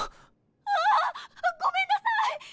わあごめんなさい！